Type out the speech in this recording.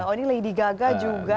oh ini lady gaga juga ya